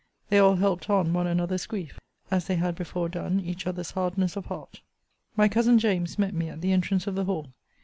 They all helped on one another's grief, as they had before done each other's hardness of heart. My cousin James met me at the entrance of the hall.